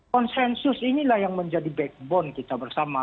konsensus inilah yang menjadi backbone kita bersama